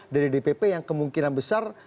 dari dpp yang kemungkinan besar